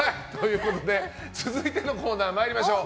続いてのコーナー参りましょう。